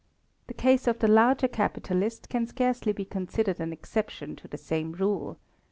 The case of the larger capitalist can scarcely be considered an exception to the same rule.